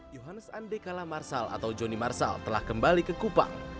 yohannes andekala marsal atau joni marsal telah kembali ke kupang